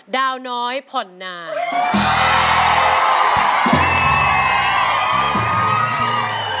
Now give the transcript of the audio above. ดาวน้อยผ่อนนาน